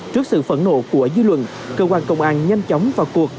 trước sự phẫn nộ của dư luận cơ quan công an nhanh chóng vào cuộc